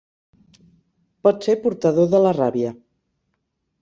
Pot ser portador de la ràbia.